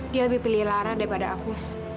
dia lebih pilih lara daripada aku